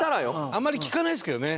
あんまり聞かないですけどね。